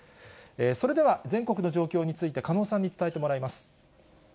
それでは、全国の状況について、加納さんに伝えてもらいます。